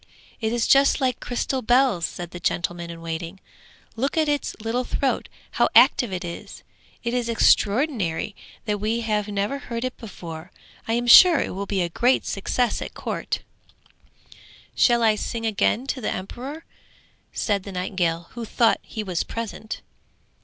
'It is just like crystal bells,' said the gentleman in waiting. 'Look at its little throat, how active it is. It is extraordinary that we have never heard it before! I am sure it will be a great success at court!' 'Shall I sing again to the emperor?' said the nightingale, who thought he was present.